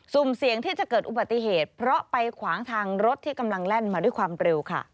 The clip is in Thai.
ุ่มเสี่ยงที่จะเกิดอุบัติเหตุเพราะไปขวางทางรถที่กำลังแล่นมาด้วยความเร็วค่ะ